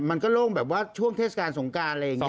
มันก็โล่งแบบว่าช่วงเทศกาลสงการอะไรอย่างนี้